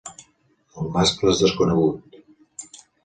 El mascle és desconegut.